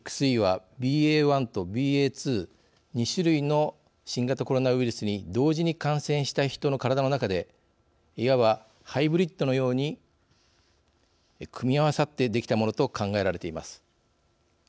ＸＥは、ＢＡ．１とＢＡ．２２種類の新型コロナウイルスに同時に感染したヒトの体の中でいわばハイブリッドのように組み合わさって出来たものと考えられています。